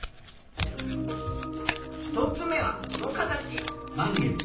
１つ目はこの形。